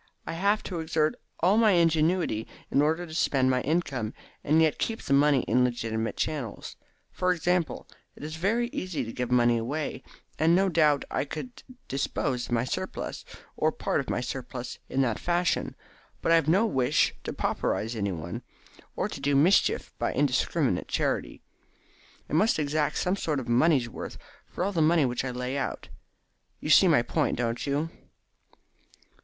I have to exert all my ingenuity in order to spend my income, and yet keep the money in legitimate channels. For example, it is very easy to give money away, and no doubt I could dispose of my surplus, or part of my surplus, in that fashion, but I have no wish to pauperise anyone, or to do mischief by indiscriminate charity. I must exact some sort of money's worth for all the money which I lay out You see my point, don't you?"